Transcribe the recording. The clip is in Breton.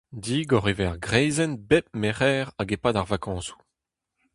Digor e vez ar greizenn bep Merc'her hag e-pad ar vakañsoù.